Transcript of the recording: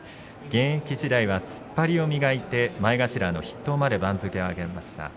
現役時代は突っ張りを磨いて前頭の筆頭まで番付を上げました。